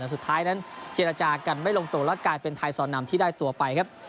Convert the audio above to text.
แต่สุดท้ายนั้นเจรจากันไม่ลงตัวแล้วกลายเป็นไทยซอนนำที่ได้ตัวไปครับ